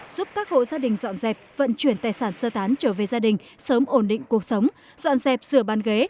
giúp các hộ gia đình dọn dẹp vận chuyển tài sản sơ tán trở về gia đình sớm ổn định cuộc sống dọn dẹp sửa ban ghế